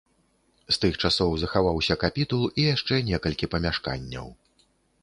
З тых часоў захаваўся капітул і яшчэ некалькі памяшканняў.